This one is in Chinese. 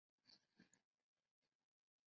擅长在树上攀援。